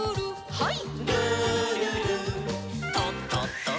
はい。